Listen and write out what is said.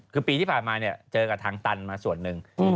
คือปีที่ผ่านมาเนี่ยเจอกับทางตันมาส่วนหนึ่ง